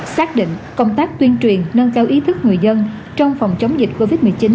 xác định công tác tuyên truyền nâng cao ý thức người dân trong phòng chống dịch covid một mươi chín